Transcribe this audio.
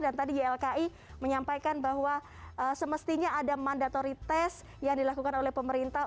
dan tadi glki menyampaikan bahwa semestinya ada mandatory test yang dilakukan oleh pemerintah